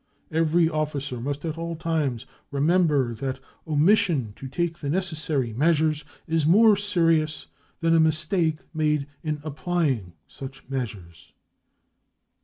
Every officer must at all times remember that omission to take the necessary measures is more serious than a mistake made in applying such measures.